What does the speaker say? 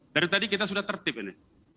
dari tadi kita sudah tertip ini